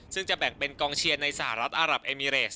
ซึ่งจะแบ่งเป็นกองเชียร์ในสหรัฐอารับเอมิเรส